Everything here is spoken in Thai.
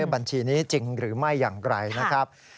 บัญชีนี้จริงหรือไม่อย่างไรนะครับ